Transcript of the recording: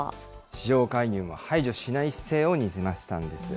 市場介入も排除しない姿勢をにじませたんです。